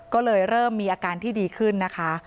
ก็เลยเริ่มมีอาการที่ดีขึ้นนะคะ